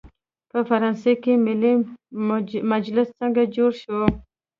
په فرانسه کې ملي مجلس څنګه جوړ شو؟